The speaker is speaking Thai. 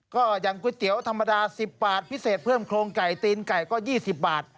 ก็อย่างก๋วยเตี๋ยวธรรมดา๑๐บาทพิเศษเพิ่มโครงไก่ตีนไก่ก็๒๐บาท